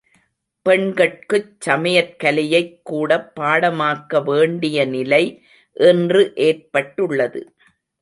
பெண்கட்குச் சமையற்கலையைக் கூடப் பாடமாக்க வேண்டிய நிலை இன்று ஏற்பட்டுள்ளது.